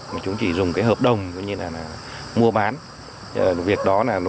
mà chúng chỉ dùng cái hợp đồng như là mua bán